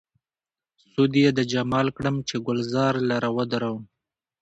سود يې د جمال کړم، چې ګلزار لره ودرومم